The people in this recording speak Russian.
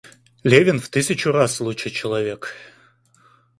Левин в тысячу раз лучше человек.